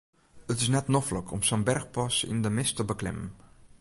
It is net noflik om sa'n berchpas yn de mist te beklimmen.